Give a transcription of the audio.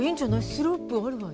スロープあるわよ。